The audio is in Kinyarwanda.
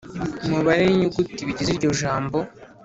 umubare n inyuguti bigize iryo jambo